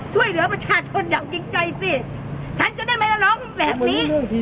ช่วยเหลือประชาชนอย่างจริงใจสิฉันจะได้ไม่ร้องแบบนี้